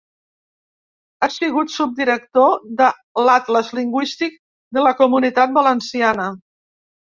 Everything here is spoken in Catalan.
Ha sigut subdirector de l'Atles Lingüístic de la Comunitat Valenciana.